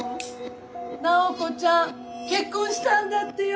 直子ちゃん結婚したんだってよ健太郎。